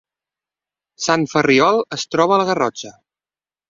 Sant Ferriol es troba a la Garrotxa